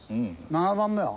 ７番目は？